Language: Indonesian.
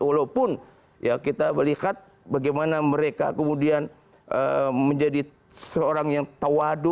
walaupun ya kita melihat bagaimana mereka kemudian menjadi seorang yang tawadu